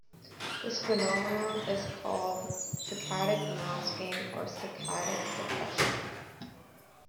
This phenomenon is called saccadic masking or saccadic suppression.